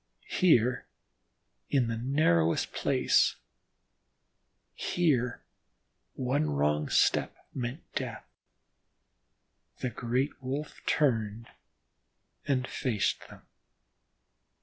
Here in the narrowest place, where one wrong step meant death, the great Wolf turned and faced them.